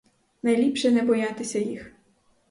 Найліпше не боятися їх.